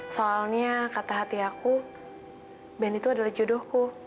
soalnya kata hati aku band itu adalah jodohku